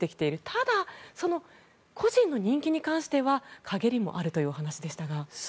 ただ、個人の人気に関しては陰りもあるというお話でしたが。